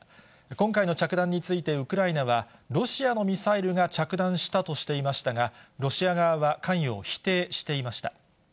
今回の着弾について、ウクライナは、ロシアのミサイルが着弾したとしていましたが、ロシア側は関与を否定していました。